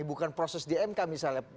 bukan proses di mk misalnya